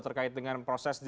terkait dengan proses